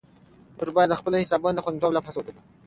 موږ باید د خپلو حسابونو د خوندیتوب لپاره هڅه وکړو.